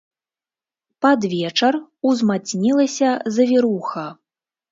Пад вечар узмацнілася завіруха.